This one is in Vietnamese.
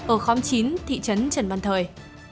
ở khóm chín thị trấn trần văn thời